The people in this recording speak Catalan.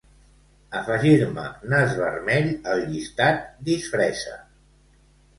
Afegir-me nas vermell al llistat "disfressa".